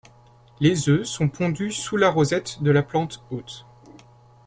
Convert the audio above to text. Les œufs sont pondus sous la rosette de la plante hôte.